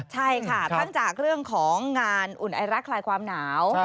ใช่ค่ะทั้งจากเรื่องของงานอุ่นไอรักคลายความหนาว